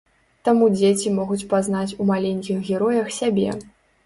Таму дзеці могуць пазнаць у маленькіх героях сябе.